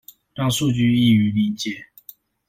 讓數據易於理解